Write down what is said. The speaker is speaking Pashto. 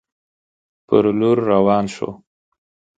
پر لور روان شو.